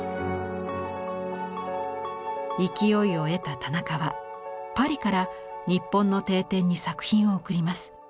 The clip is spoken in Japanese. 勢いを得た田中はパリから日本の帝展に作品を送ります。